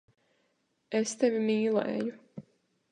Es tevi mīlēju.